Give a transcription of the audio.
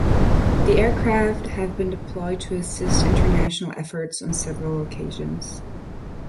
The aircraft have been deployed to assist international efforts on several occasions.